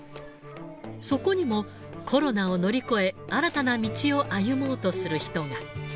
そこにも、コロナを乗り越え、新たな道を歩もうとする人が。